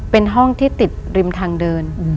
เป็นห้องที่ติดริมทางเดิน